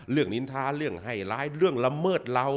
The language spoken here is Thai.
นินท้าเรื่องให้ร้ายเรื่องละเมิดเรา